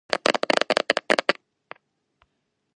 ფაბიო კანავარო ნაპოლიში დაიბადა.